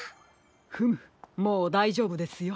フムもうだいじょうぶですよ。